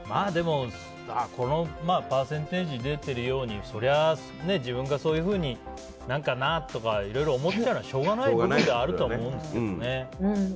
でも、このパーセンテージ出てるようにそりゃあ自分がそういうふうに何かなとかいろいろ思っちゃうのはしょうがない部分ではあるとは思うんですけどね。